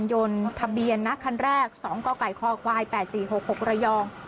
ยนต์ทะเบียนนะคันแรกสองก่อไก่คอกวายแปดสี่หกหกระยอง